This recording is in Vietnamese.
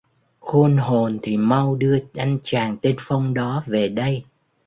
Khôn hồn thì mau đưa anh chàng tên phong đó về đây